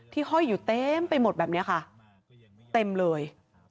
ห้อยอยู่เต็มไปหมดแบบนี้ค่ะเต็มเลย